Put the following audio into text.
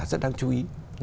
rất đáng chú ý